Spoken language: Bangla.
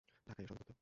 ঢাকায় এর সদর দপ্তর।